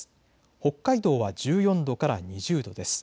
北海道は１４度から２０度です。